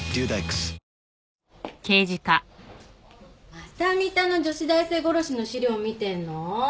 また三田の女子大生殺しの資料見てんの？